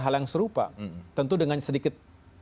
hal yang serupa tentu dengan sedikit